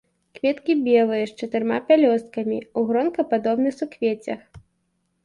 Кветкі белыя, з чатырма пялёсткамі, у гронкападобных суквеццях.